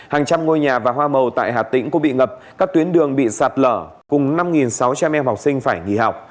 hàng trăm ngôi nhà và hoa màu tại hà tĩnh cũng bị ngập các tuyến đường bị sạt lở cùng năm sáu trăm linh em học sinh phải nghỉ học